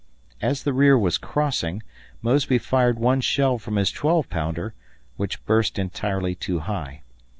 As the rear was crossing, Mosby fired one shell from his 12 pounder, which burst entirely too high.